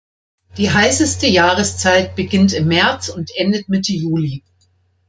Die heißeste Jahreszeit beginnt im März und endet Mitte Juli.